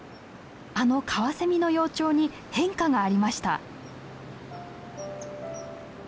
あのカワセミの幼鳥に変化がありました。